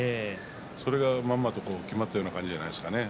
それがまんまときまったような感じじゃないですかね。